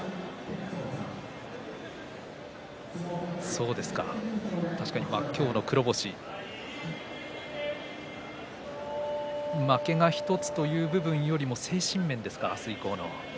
そうですか確かに今日の黒星負けが１つという部分よりも精神面ですか、明日以降の。